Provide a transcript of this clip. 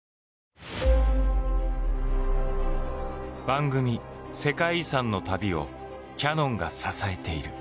番組「世界遺産」の旅をキヤノンが支えている。